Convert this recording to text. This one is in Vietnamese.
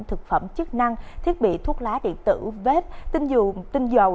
thực phẩm chức năng thiết bị thuốc lá điện tử vép tinh dầu